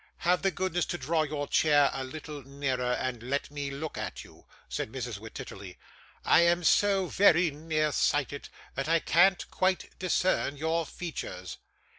'Have the goodness to draw your chair a little nearer, and let me look at you,' said Mrs. Wititterly; 'I am so very nearsighted that I can't quite discern your features.